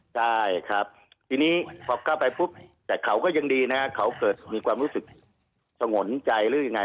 ใช่ครับทีนี้พอเข้าไปปุ๊บแต่เขาก็ยังดีนะครับเขาเกิดมีความรู้สึกสงนใจหรือยังไง